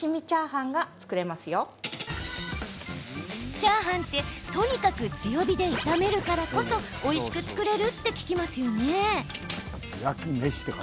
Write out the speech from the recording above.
チャーハンってとにかく強火で炒めるからこそおいしく作れるって聞きますよね。